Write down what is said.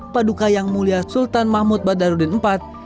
paduka yang mulia sultan mahmud badarudin iv